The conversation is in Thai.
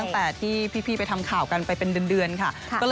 ตั้งแต่ที่พี่ไปทำข่าวกันไปเป็นเดือนค่ะ